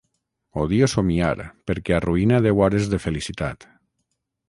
Odio somiar perquè arruïna deu hores de felicitat.